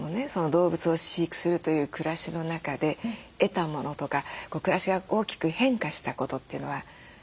動物を飼育するという暮らしの中で得たものとか暮らしが大きく変化したことというのは何なんでしょうか？